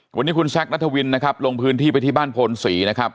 วันนี้คุณแซคนัทวินนะครับลงพื้นที่ไปที่บ้านโพนศรีนะครับ